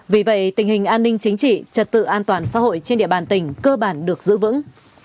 vì vậy tình hình an ninh chính trị trật tự an toàn xã hội trên địa bàn tỉnh cơ bản được giữ vững